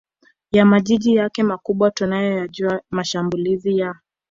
ya majiji yake makubwa Tunayajua mashambulizi ya